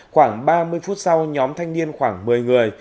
khoảng ba mươi phút sau nhóm thanh niên khoảng một mươi người